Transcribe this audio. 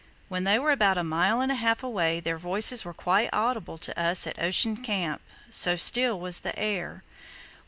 When they were about a mile and a half away their voices were quite audible to us at Ocean Camp, so still was the air.